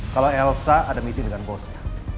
kalau elsa ada meeting dengan bosnya